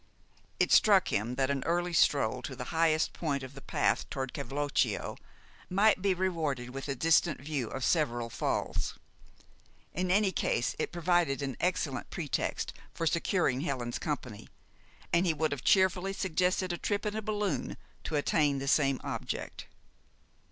It struck him that an early stroll to the highest point of the path beyond Cavloccio might be rewarded with a distant view of several falls. In any case, it provided an excellent pretext for securing Helen's company, and he would have cheerfully suggested a trip in a balloon to attain the same object.